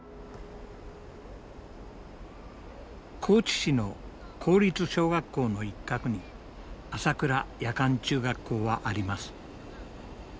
高知市の公立小学校の一角に朝倉夜間中学校はあります。